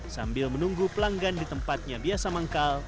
sambil menunggu pelanggan di tempatnya biasa manggal